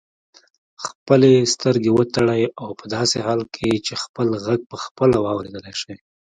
خپلې سترګې وتړئ او په داسې حال کې چې خپل غږ پخپله واورېدلای شئ.